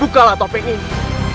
bukalah topik ini